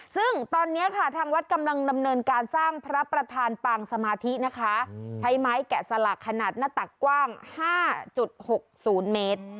ซึ่งตอนนี้ค่ะทางวัดกำลังดำเนินการสร้างพระประธานปางสมาธินะคะใช้ไม้แกะสลักขนาดหน้าตักกว้าง๕๖๐เมตร